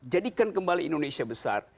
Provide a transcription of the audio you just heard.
jadikan kembali indonesia besar